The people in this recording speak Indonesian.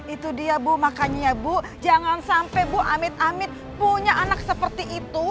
itu dia bu makanya bu jangan sampai bu amit amit punya anak seperti itu